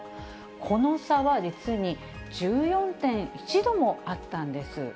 この差は実に、１４．１度もあったんです。